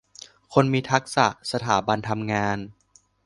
คนมีทักษะ สถาบันทำงาน